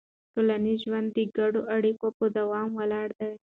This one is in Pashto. ټولنیز ژوند د ګډو اړیکو په دوام ولاړ وي.